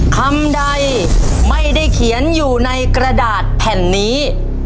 คำใดไม่ได้เขียนอยู่ในกระดาษแผ่นนี้